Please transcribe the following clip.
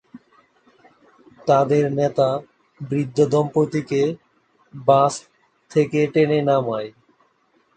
তাদের নেতা বৃদ্ধ দম্পতিকে বাস থেকে টেনে নামায়।